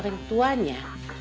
orang yang tuanya